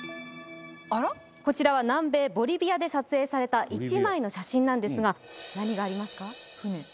こちらは南米ボリビアで撮影された一枚の写真なんですが何がありますか？